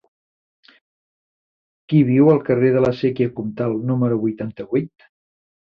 Qui viu al carrer de la Sèquia Comtal número vuitanta-vuit?